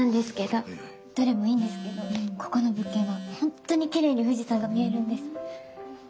どれもいいんですけどここの物件は本当にきれいに富士山が見えるんです。